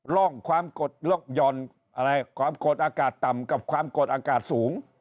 ล่องความกดลกย้อนอะไรความกดอากาศต่ำกับความกดอากาศสูง